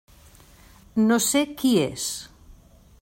No sé qui és.